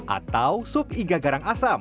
atau sup iga garang asam